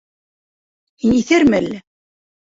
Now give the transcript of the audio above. Һин иҫәрме әллә?